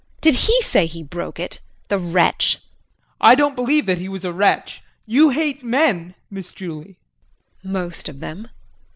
Did he say he broke it the wretch! JEAN. I don't believe that he was a wretch. You hate men, Miss Julie. JULIE. Most of them.